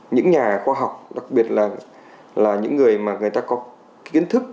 những nhà khoa học đặc biệt là những người mà người ta có kiến thức